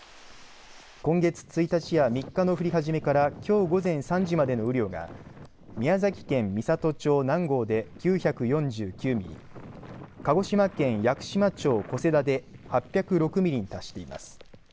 今月１日や３日の降り始めからきょう午前３時までの雨量が宮崎県美郷町南郷で９４９ミリ鹿児島県屋久島町小瀬田で８０６ミリに達しています。